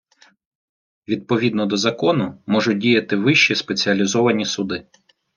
Відповідно до закону можуть діяти вищі спеціалізовані суди.